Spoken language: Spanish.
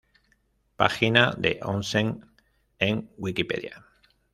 Página de Onsen en Wikipedia